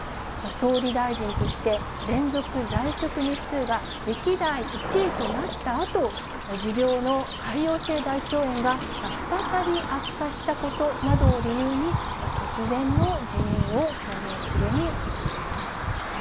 総理大臣として連続在職日数が歴代１位となったあと、持病の潰瘍性大腸炎が再び悪化したことなどを理由に、突然の辞任を表明するに至ったんです。